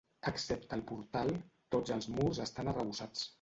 Excepte el portal, tots els murs estan arrebossats.